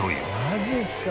「マジっすか」